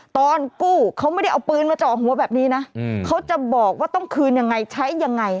ตอนกู้เขาไม่ได้เอาปืนมาเจาะหัวแบบนี้นะเขาจะบอกว่าต้องคืนยังไงใช้ยังไง